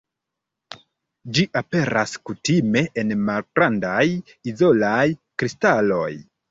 Ĝi aperas kutime en malgrandaj izolaj kristaloj.